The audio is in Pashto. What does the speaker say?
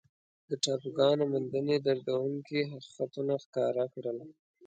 د ټاپوګانو موندنې دردونکي حقیقتونه ښکاره کړل.